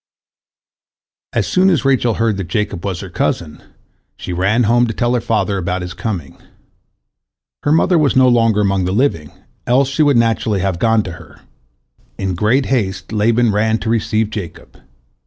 As soon as Rachel heard that Jacob was her cousin, she ran home to tell her father about his coming. Her mother was no longer among the living, else she would naturally have gone to her. In great haste Laban ran to receive Jacob.